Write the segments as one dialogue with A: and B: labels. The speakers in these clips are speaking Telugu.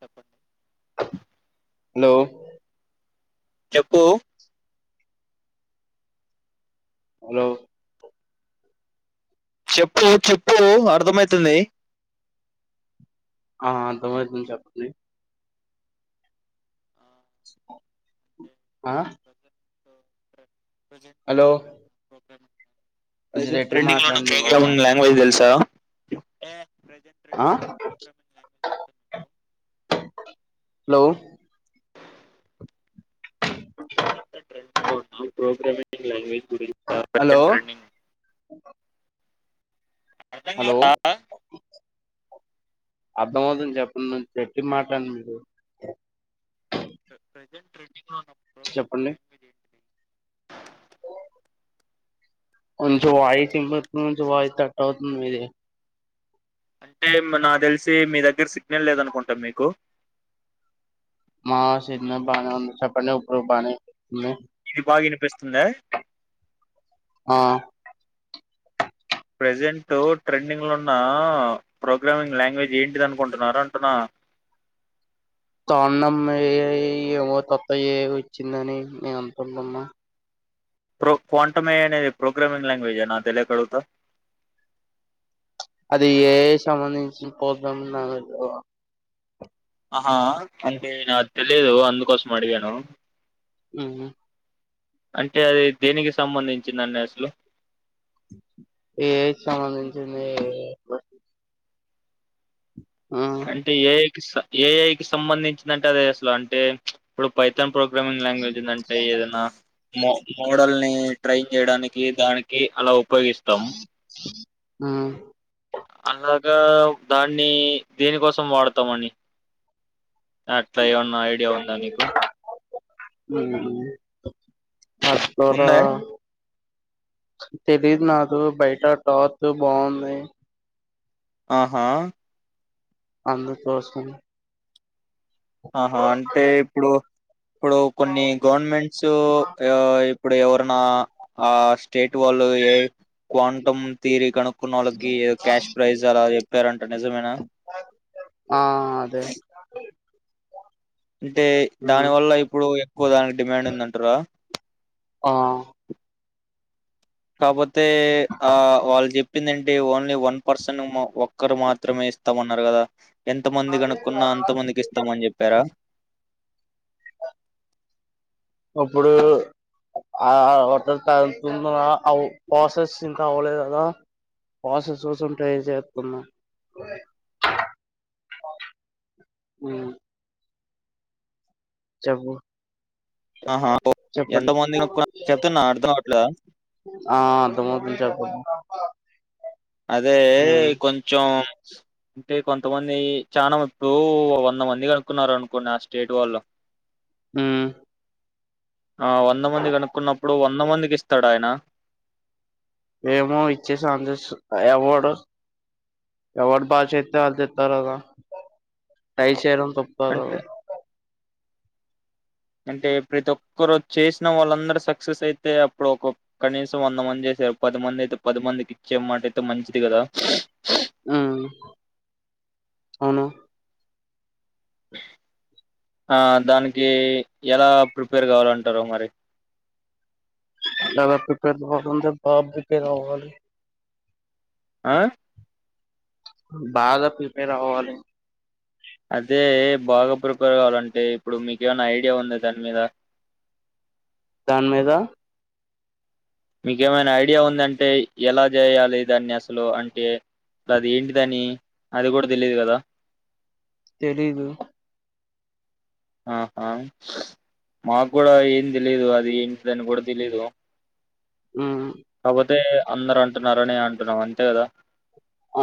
A: చెప్పండి
B: హలో
A: చెప్పు
B: హలో
A: చెప్పు చెప్పు అర్ధమవుతుంది
B: ఆ అర్ధమవుతుంది చెప్పండి
A: ఆ అంటే
B: ఆ
A: ఇప్పుడు ప్రజెంట్
B: హలో
A: ప్రాబ్లెమ్
B: కొంచెం
A: ప్రజెంట్
B: గట్టిగా
A: ట్రెండింగ్ లోన్న
B: మాట్లాడండి బాబు
A: ప్రోగ్రామింగ్ లాంగ్వేజ్ తెలుసా ఎ [inaudible]
B: ఆ హలో
A: ప్రోగ్రాంగ్ లాంగ్వేజ్ గురించి
B: హలో
A: ప్రెజెంట్
B: ఓ
A: ట్రెండింగ్ అర్థం
B: హలో
A: కాదు
B: అర్ధమవుతుని చెప్పండి నేను చెప్పి [unintelligible]
A: ప్రజెంట్ లో ఉన్న ప్రోగ్రామింగ్
B: చెప్పండి
A: లాంగ్వేజ్ ఏంటిది
B: కొంచెం వాయిస్ వినిపిత్తుంది. కొంచెం వాయిస్ కట్టవుతుంది మీది
A: అంటే మరి నాకు తెలిసి మీ దగ్గర సిగ్నల్ లేదనుకుంట మీకు
B: మా సిగ్నల్ బానే ఉంది చెప్పండి ఇప్పుడు బానే వినిపిత్తంది.
A: ఇది బాగా వినిపిస్తుందా
B: ఆ
A: ప్రజెంట్ ట్రెండింగ్లో ఉన్న ప్రోగ్రామింగ్ లాంగ్వేజ్ ఏంటిది అనుకుంటున్నారు అంటున్నా
B: తాండం ఏ ఏమో తత్త ఏ ఇచ్చిందని నేను అనుకుంటున్నా
A: ప్రో క్వాంటమ అనేది ప్రోగ్రామింగ్ లాంగ్వేజేన నాకు తెలియక అడగుత
B: అది ఏఐ సంబంధించి ప్రొగ్రాం అన్నా [unintelligible]
A: ఆహా అంటే నాకు తెలీదు అందుకోసం అడిగాను
B: హ్మ్
A: అంటే అది దేనికి సంబంధించిందన్ని అసలు
B: ఏఐ కి సంబంధించింది ఆ
A: అంటే ఏఐ ఏఐ కి సంబంధించినంటే అది అసలు అంటే ఇప్పుడు పైతాన్ ప్రో ప్రోగ్రామింగ్ లాంగ్వేజ్ ఉందంటే ఏదైనా మో మోడల్ని ట్రైన్ చేయడానికి దానికి అలా ఉ పయోగిస్తాం
B: హ్మ్
A: అలాగా దాన్నీ దేనికోసం వాడతామని అట్ల ఏమన్న ఐడియా ఉందా నీకు
B: హ్మ్ ఆకుకూర
A: ఉందా
B: తెలీదు నాకు బయట టాక్ బావుంది
A: ఆహా
B: అందుకోసం
A: ఆహా అంటే ఇప్పుడు ఇప్పుడు కొన్ని గవర్నమెంట్సు ఇక ఇ ఇప్పుడు ఎవ్రన్నా ఆ స్టేట్ వాళ్ళు ఏఐ క్వాంటమ్ థీరి కను కున్నోళ్ళకి ఏదో క్యాష్ ప్రైజ్ అలా తెరన్ నిజమేనా
B: ఆ అదే [inaudible]
A: అంటే దాని
B: ఉమ్,
A: వల్ల ఇప్పుడు ఎక్కువ దానికి డిమాండ్ ఉందంటరా
B: ఆ
A: కాపోతే ఆ వాళ్ చెప్పిందేంటి ఓన్లీ వన్ పర్సన్ ఒక్కరు మాత్రమే ఇస్తామన్నారు కదా ఎంతమంది కనుక్కున్నా అంత మందికి ఇస్తామని చెప్పారా
B: ఇప్పుడూ ఆ ఒట్టో సారి తుంధుమ అవ్ ప్రాసెస్ ఇంకా అవ్వ లేదు హలో పాసెస్ సూస్తుంటే ఏం చేత్తునవ్ ఊ చెప్పు
A: ఆహా!
B: చెప్పండి.
A: ఎంతమంది కనుక్కున్నా చెప్తున్నా అర్థం అవ్వట్లేదా?
B: ఆ అర్థమవుతుంది చెప్పండి.
A: అదే
B: మ్మ్
A: కొంచం టే కొంతమందీ చానవర్కూ వంద మంది కనుకున్నారనుకోండి ఆ స్టేట్ వాళ్ళు
B: ఊ
A: ఆ వంద మంది కనుక్కున్నప్పుడు వంద మందికి ఇస్తాడాయనా.
B: ఏమో ఇచ్చేసి ఆన్ చేస్ ఎవ్వడు ఎవ్వడు పాస్ చేత్తే ఆల్ కిత్తారుగా. టైప్ చేయడం తప్పదూ
A: అంటే అంటే ప్రతి ఒక్కరు చేసిన వాళ్ళందరూ సక్సెస్ అయితే అప్పుడు ఒక కనీసం వంద మంది చేసారు పది మంది అయితే పది మందికి ఇచ్చే మాట అయితే మంచిది గదా. [inaudible]
B: అవ్నా
A: ఆ దానికీ ఎలా ప్రిపేర్ కావాలంటారు మరి.
B: ఎలా ప్రిపేర్ కావాలంటే బాగా ప్రిపేర్ అవ్వాలి.
A: ఆ
B: బాగా ప్రిపేర్ అవ్వాలి.
A: అదే బాగా ప్రిపేర్ కావాలంటే ఇప్పుడు మీకేమైనా ఐడియా ఉంది దాని మీద.
B: దాని మీదా
A: మీక్ ఏమైనా ఐడియా ఉందంటే, ఎలా చేయాలి దాన్ని అసలూ అంటే. అది ఏంటిదని అది గూడ తెలీయదు గదా.
B: తెలీదు.
A: ఆహా మాకు కూడా ఏం తెలీదు అది ఏంటి దని కూడా తెలీదు.
B: ఆ
A: కాపోతే అందరు అంటున్నారని అంటున్నావ్ అంతే కదా.
B: అ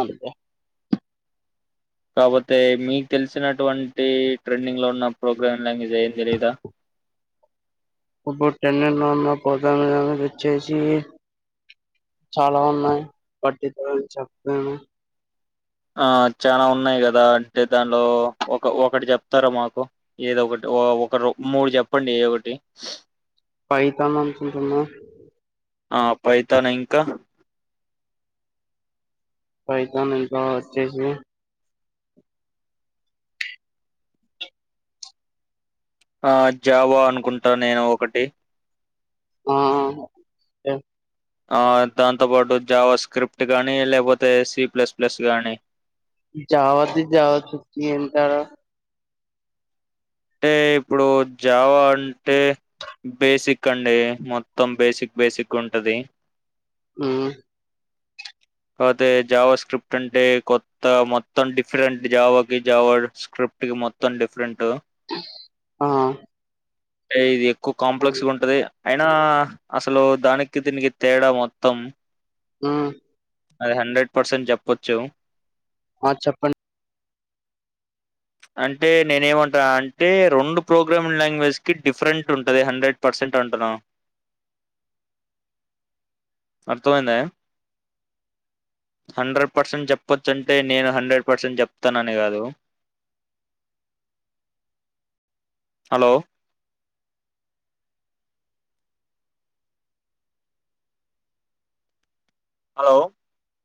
A: కాబతే మీకు తెలిసినటువంటి ట్రెండింగ్ లో ఉన్న ప్రోగ్రామ్లా మీజ ఏ ఏం తెలీయదా
B: ఇప్పుడు టెన్నె ఉన్న పోద వచ్చేసి చాలా ఉన్నాయి పట్టి చెప్తాను
A: ఆ చాలా ఉన్నాయి కదా అంటే దానిలో ఒక ఒకటి చెప్తారా మాకు ఏద ఒకటి ఒకరు మూడు చెప్పండి ఏ ఒకటి
B: పైతాను అతుంటున్నా
A: ఆ ప అయితాను ఇంకా
B: పైతను ఇంకా వచ్చేసి
A: ఆ జావా అనుకుంటా నేను ఒకటి
B: ఆ
A: ఆ దాంతోపాటు జావా స్క్రిప్ట్ కాగానీ లేకపోతే సి ప్లస్ ప్లస్ కాగానీ
B: జావా త్రీ జావా ఫిఫ్టీ అంటారా.
A: అంటే ఇప్పుడు జావా అంటే బేసిక్ అండీ. మొత్తం బేసిక్ బేసిక్ ఉంటదీ.
B: ఊ
A: కాపోతే జావా స్క్రిప్ట్ అంటే కొత్త మొత్తం డిఫరెంట్ జావా కి జావా స్క్రిప్ట్ కి మొత్తం డిఫరెంటా.
B: ఆ
A: ఏది ఎక్వ
B: ఆ,
A: కాంప్లెక్స్ గా ఉంటదీ. అయినా అసలూ దానికి దీనికి తేడా మొత్తం.
B: ఆ
A: అది హండ్రెడ్ పర్సెంట్ చెప్పచ్చు
B: ఆ చెఛప్పన్
A: అంటే నేనే ఏమంటా అంటే రెండు ప్రోగ్రామ్ లాంగ్వేజ్ కి డిఫరెంట్ ఉంటుంది హండ్రెడ్ పర్సెంట్ అంటును అర్థమైందా హండ్రెడ్ పర్సెంట్ చెప్పచ్చు అంటే నేను హండ్రెడ్ పర్సెంట్ చెప్తాను అనే కాదు హలో హలో